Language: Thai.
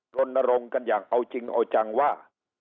รณรงค์กันอย่างเอาจริงเอาจังว่า